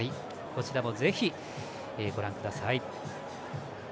こちらもぜひ、ご覧ください。